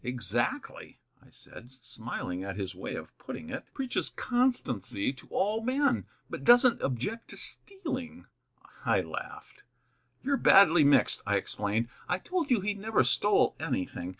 "Exactly," I said, smiling at his way of putting it. "Preaches constancy to all men, but doesn't object to stealing." I laughed. "You're badly mixed," I explained. "I told you he never stole anything.